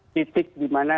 titik di mana